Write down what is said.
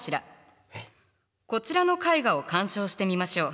こちらの絵画を鑑賞してみましょう。